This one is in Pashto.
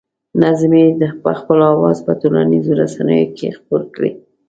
نظم یې په خپل اواز په ټولنیزو رسنیو کې خپور کړی.